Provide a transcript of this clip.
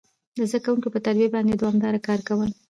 د زده کوونکو پر تربيه باندي دوامداره کار کول،